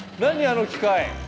あの機械。